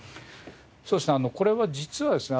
そうですねこれは実はですね